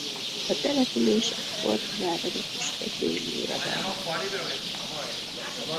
A település egykor a váradi püspök béli uradalmához tartozott.